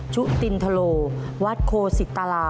ใช่